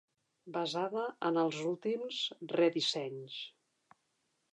Basada en els últims re dissenys.